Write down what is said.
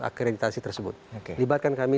akreditasi tersebut libatkan kami